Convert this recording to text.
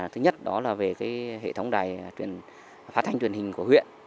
thứ nhất đó là về hệ thống đài phát thanh truyền hình của huyện